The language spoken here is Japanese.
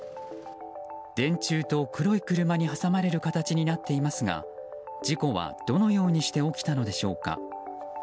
電柱と黒い車に挟まれる形になっていますが事故は、どのようにして起きたのでしょうか。